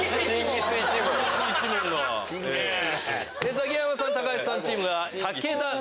ザキヤマさん・橋さんチーム。